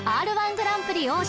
グランプリ王者